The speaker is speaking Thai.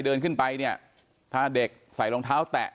เดินขึ้นไปเนี่ยถ้าเด็กใส่รองเท้าแตะ